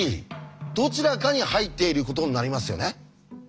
どちらかに入っていることになりますよね。